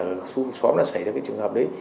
ở xóm đã xảy ra cái trường hợp đấy